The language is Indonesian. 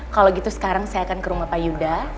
kalau gitu sekarang saya akan ke rumah pak yuda